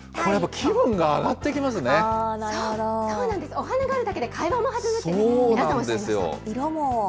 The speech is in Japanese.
お花があるだけで、会話も弾むって皆さんおっしゃってました。